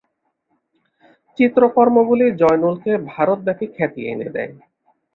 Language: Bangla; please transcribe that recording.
চিত্রকর্মগুলি জয়নুলকে ভারতব্যাপী খ্যাতি এনে দেয়।